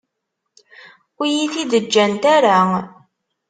Ur iyi-t-id-ǧǧant ara.